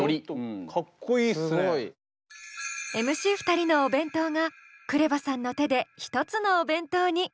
ＭＣ２人のお弁当がＫＲＥＶＡさんの手で一つのお弁当に。